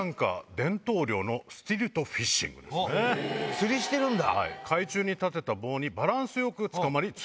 釣りしてるんだ！